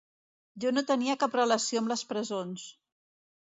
Jo no tenia cap relació amb les presons.